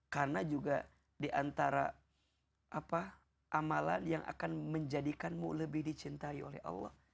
karena juga diantara amalan yang akan menjadikanmu lebih dicintai oleh allah